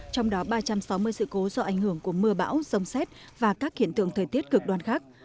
trong đó ba trăm sáu mươi sự cố do ảnh hưởng của mưa bão sông xét và các hiện tượng thời tiết cực đoan khác